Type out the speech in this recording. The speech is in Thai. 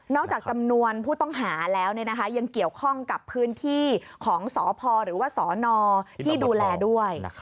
จากจำนวนผู้ต้องหาแล้วยังเกี่ยวข้องกับพื้นที่ของสพหรือว่าสนที่ดูแลด้วย